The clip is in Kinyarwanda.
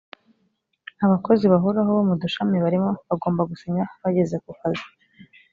abakozi bahoraho bo mu dushami barimo bagomba gusinya bageze ku kazi